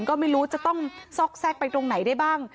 ก็ไม่รู้จะต้องซอกแทรกไปตรงไหนได้บ้าง